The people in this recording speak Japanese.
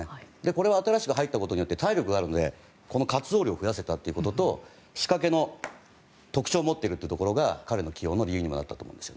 これは新しく入ったことによって体力があるので活動量を増やせたところと仕掛けの特徴を持っているというところが彼の起用の理由にもなったと思うんです。